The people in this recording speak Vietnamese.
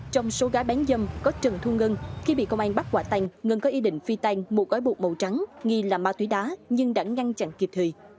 trong số gái bán dâm có trần thu ngân khi bị công an bắt quả tăng ngân có ý định phi tan một gói bột màu trắng nghi là ma túy đá nhưng đã ngăn chặn kịp thời